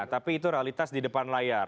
tapi itu realitas di depan layar